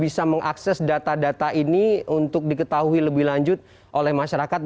bagaimana cara masyarakat memiliki hak untuk mengetahui angka dan data ini untuk diketahui lebih lanjut oleh masyarakat